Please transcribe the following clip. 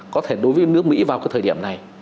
có thể đối với nước mỹ vào cái thời điểm này